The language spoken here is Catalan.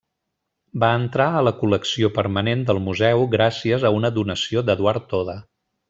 Va entrar a la col·lecció permanent del museu gràcies a una donació d'Eduard Toda.